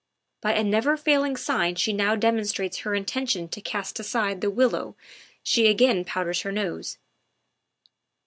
By a never failing sign she now demonstrates her intention to cast aside the willow she again powders her nose."